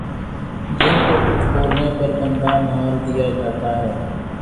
جن کو کچھ بولنے پر بندہ مار دیا جاتا ھے